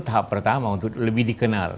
tahap pertama untuk lebih dikenal